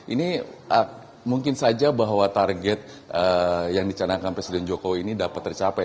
ini mungkin saja bahwa target yang dicanangkan presiden jokowi ini dapat tercapai